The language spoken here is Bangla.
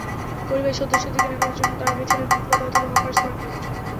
পরিবারের সদস্যদের কেনাকাটার জন্য তাঁরা বেছে নেন ফুটপাত অথবা হকার্স মার্কেট।